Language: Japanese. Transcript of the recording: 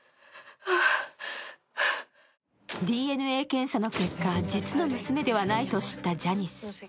ＤＮＡ検査の結果、実の娘ではないと知ったジャニス。